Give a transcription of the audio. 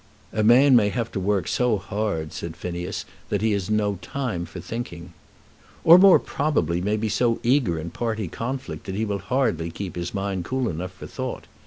"A man may have to work so hard," said Phineas, "that he has no time for thinking." "Or more probably, may be so eager in party conflict that he will hardly keep his mind cool enough for thought.